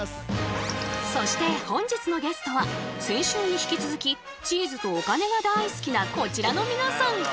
そして本日のゲストは先週に引き続きチーズとお金が大好きなこちらの皆さん！